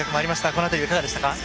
この辺りはいかがでしたか？